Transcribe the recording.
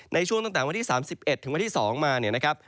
ในช่วงตั้งแต่วันที่๓๑๒นะครับ